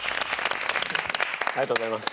ありがとうございます。